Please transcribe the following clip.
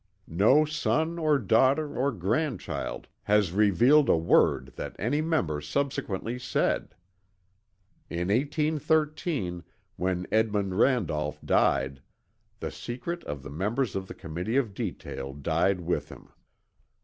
No son or daughter or grandchild has revealed a word that any member subsequently said. In 1813 when Edmund Randolph died, the secret of the members of the Committee of Detail died with him.